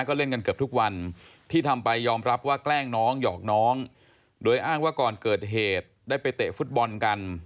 ก็เล่นกันเกือบทุกวันที่ทำไปยอมรับว่าแกล้งน้องหยอกน้องโดยอ้างว่าก่อนเกิดเหตุได้ไปเตะฟุตบอลกัน